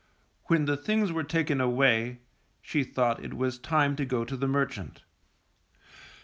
When the things were taken away, she thought it was time to go to the merchant.